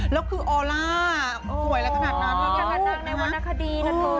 แล้วคือออลล่าสวยแล้วขนาดน้ำทุกนะฮะขนาดน้ำในวันศักดีนะโทษ